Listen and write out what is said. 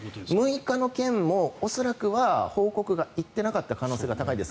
６日の件も恐らくは報告がいってなかった可能性が高いです。